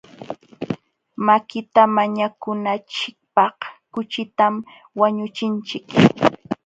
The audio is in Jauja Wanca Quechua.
Makita mañakunachikpaq kuchitam wañuchinchik.